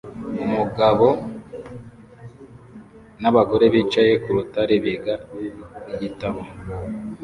Umugabo n'abagore bicaye ku rutare biga igitabo